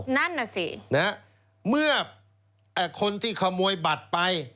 นั่นน่ะสิเมื่อคนที่ขโมยบัตรไป